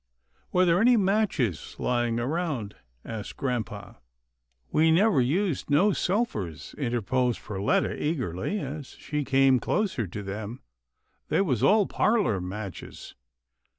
" Were there any matches lying round ?" asked grampa. " We never used no sulphurs," interposed Per letta eagerly, as she came closer to them. " They was all parlour matches."